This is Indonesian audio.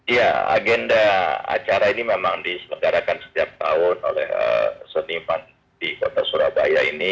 ya agenda acara ini memang diselenggarakan setiap tahun oleh seniman di kota surabaya ini